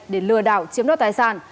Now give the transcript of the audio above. để lừa đảo chiếm đoạt tài sản